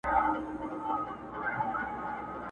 هم به ګرګین، هم کندهار وي، اصفهان به نه وي!.